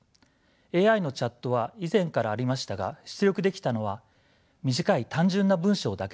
ＡＩのチャットは以前からありましたが出力できたのは短い単純な文章だけでした。